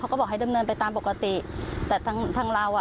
เขาบอกให้ดำเนินไปตามปกติแต่ทางทางเราอ่ะ